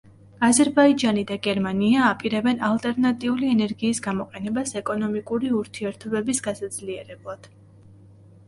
აზერბაიჯანი და გერმანია აპირებენ ალტერნატიული ენერგიის გამოყენებას ეკონომიკური ურთიერთობების გასაძლიერებლად.